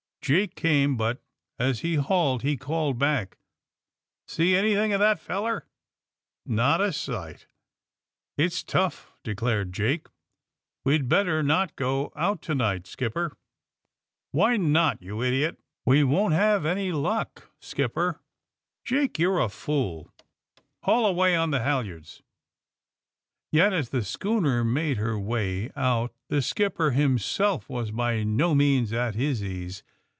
Jake came, but as he hauled he called back: *^See anything of that feller!" Not a sight." *^It's tough!" declared Jake. We'd better not go out to night, skipper," Why not, you idiot!" *^We won't have any luck, skipper!" Jake, you're a fool. Haul away on the halyards. '' Yet, as the schooner made her way out the skipper himself was by no means at his ease.